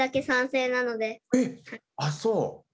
あっそう。